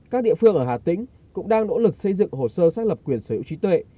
các địa phương ở hà tĩnh cũng đang nỗ lực xây dựng hồ sơ xác lập quyền sở hữu trí tuệ